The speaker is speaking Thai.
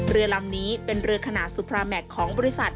เรือลำนี้เป็นเรือขนาดสุพราแมคของบริษัท